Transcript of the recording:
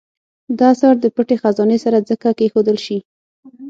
دا اثر د پټې خزانې سره ځکه کېښودل شي.